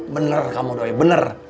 bener kamu doi bener